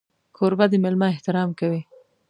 کوربه د مېلمه احترام کوي.